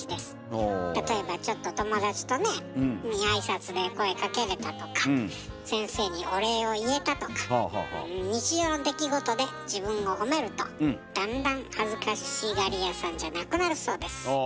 例えばちょっと友達とねに挨拶で声かけれたとか先生にお礼を言えたとか日常の出来事で自分を褒めるとだんだん恥ずかしがり屋さんじゃなくなるそうです。